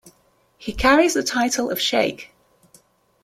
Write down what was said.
He carries the title of sheikh.